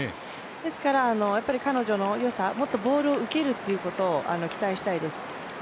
ですから、彼女の良さ、もっとボールを受けるということを期待したいです。